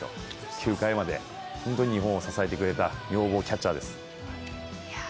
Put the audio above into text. ９回まで、本当に日本を支えてくれた女房キャッチャーです。